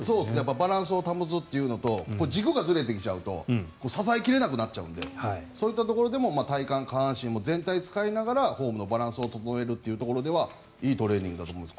バランスを保つというのと軸がずれてきちゃうと支え切れなくなっちゃうのでそういったところでも体幹、下半身も全身を使いながらフォームのバランスも整えるというところではいいトレーニングだと思います。